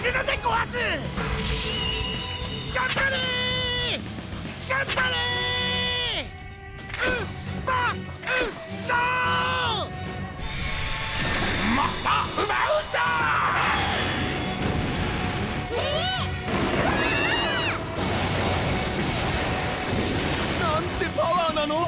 わぁ！なんてパワーなの！